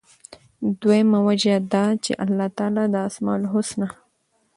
دویمه وجه دا چې الله تعالی د أسماء الحسنی،